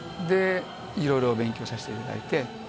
いろいろ勉強させていただいて。